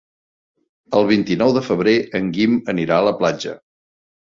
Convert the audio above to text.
El vint-i-nou de febrer en Guim anirà a la platja.